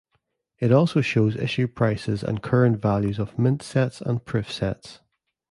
It also shows Issue Prices and Current Values of mint sets and proof sets.